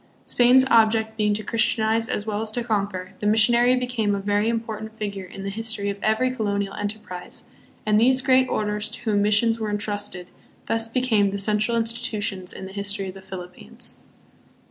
Spain's object being to christianize as well as to conquer, the missionary became a very important figure hi the history of every colonial enterprise, and these great orders to whom missions were intrusted thus became the central institutions in the history of the Philippines.